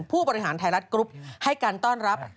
ผู้บริหารไทยรัฐกรุ๊ปให้การต้อนรับ